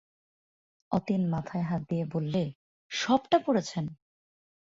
অতীন মাথায় হাত দিয়ে বললে, সবটা পড়েছেন?